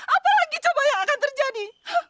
apa lagi coba yang akan terjadi